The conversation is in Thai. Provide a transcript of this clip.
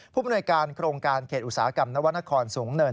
ผู้มนวยการโครงการเขตอุตสาหกรรมนวรรณครสูงเนิน